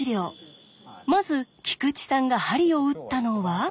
まず菊池さんが鍼を打ったのは？